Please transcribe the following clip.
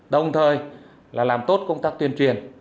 đồng thời làm tốt công tác tuyên truyền